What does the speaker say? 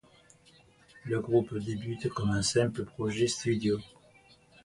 Le groupe débute comme un simple projet studio.